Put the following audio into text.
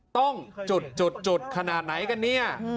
ต้องจุดขนาดไหนกันเนี่ย